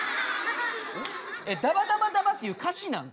えっ「ダバダバダバ」っていう歌詞なん？